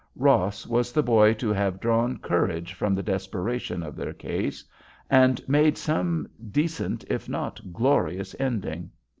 Ross was the boy to have drawn courage from the desperation of their case, and made some decent if not glorious ending.